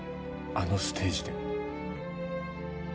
あのステージで。